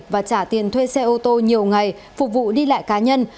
và trả tiền thuê xe ô tô nhiều ngày phục vụ đi lại cá nhân